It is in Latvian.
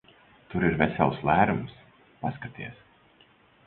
Tur ir vesels lērums. Paskaties!